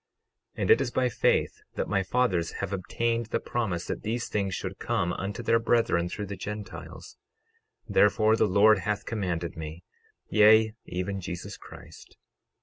12:22 And it is by faith that my fathers have obtained the promise that these things should come unto their brethren through the Gentiles; therefore the Lord hath commanded me, yea, even Jesus Christ.